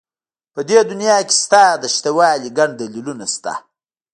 په دې دنيا کې ستا د شتهوالي گڼ دلیلونه شته.